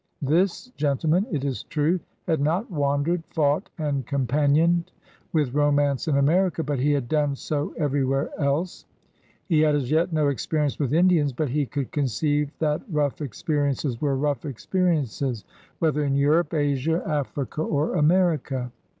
This gentleman, it is true, had not wandered, fought, and companioned with romance in America, but he had done so everywhere else. He had as yet no experience with Indians, but he could conceive that rough experiences were rough experiences, whether in Europe, Asia, Af rica» THE ADVENTURERS 15 or America.